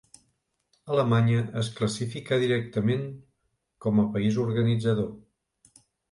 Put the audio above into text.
Alemanya es classificà directament com a país organitzador.